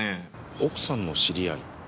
奥さんの知り合い？